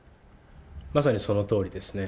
まさにそのとおりですね。